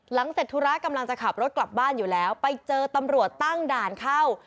เสร็จธุระกำลังจะขับรถกลับบ้านอยู่แล้วไปเจอตำรวจตั้งด่านเข้า